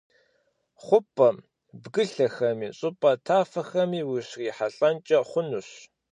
ХъупӀэм бгылъэхэми щӀыпӀэ тафэхэми ущрихьэлӀэнкӀэ хъунущ.